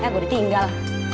ya gue udah tinggal